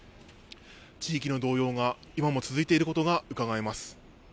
地域の動揺が今も続いていることがうかがえます。